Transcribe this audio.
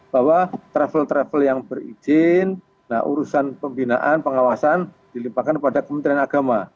bahwa travel travel yang berizin urusan pembinaan pengawasan dilimpahkan kepada kementerian agama